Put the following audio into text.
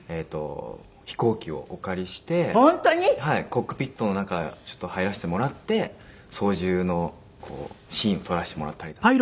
コックピットの中ちょっと入らせてもらって操縦のシーンを撮らせてもらったりだとか。